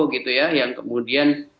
gitu ya yang kemudian